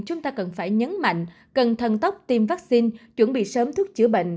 chúng ta cần phải nhấn mạnh cẩn thận tốc tiêm vaccine chuẩn bị sớm thuốc chữa bệnh